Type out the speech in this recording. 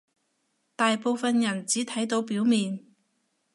大部分人只睇到表面